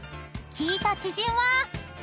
聞いた知人は］